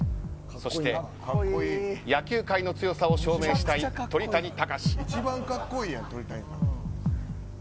そして野球界の強さを証明したい鳥谷敬。